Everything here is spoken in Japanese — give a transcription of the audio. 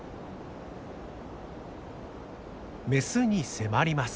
メスに迫ります。